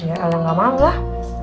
ya el yang nggak mau lah